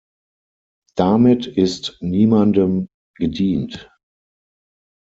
Damit ist niemandem gedient.